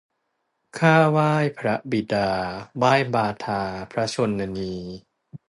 ข้าไหว้พระบิดา ไหว้บาทาพระชนนี